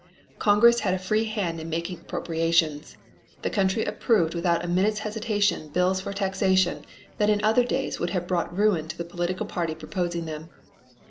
Congress had a free hand in making appropriations. The country approved without a minute's hesitation bills for taxation that in other days would have brought ruin to the political party proposing them.